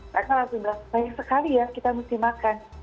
mereka langsung bilang banyak sekali ya kita mesti makan